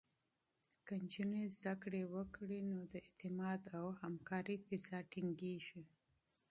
که نجونې زده کړه وکړي، نو د اعتماد او همکارۍ فضا ټینګېږي.